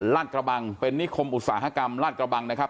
กระบังเป็นนิคมอุตสาหกรรมลาดกระบังนะครับ